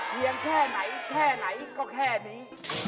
เพียงแค่ไหนแค่ไหนก็แค่นี้